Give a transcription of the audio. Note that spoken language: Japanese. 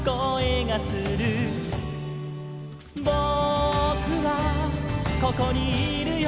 「ぼくはここにいるよ」